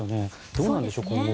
どうなんでしょう、今後。